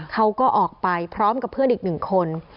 เขาก็ออกไปพร้อมกับเพื่อนอีกหนึ่งคน